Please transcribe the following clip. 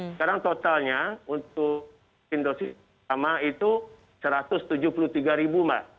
sekarang totalnya untuk vaksin dosis pertama itu satu ratus tujuh puluh tiga ribu mbak